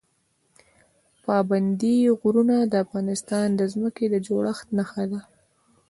پابندی غرونه د افغانستان د ځمکې د جوړښت نښه ده.